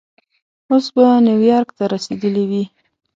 اوس به نیویارک ته رسېدلی وې.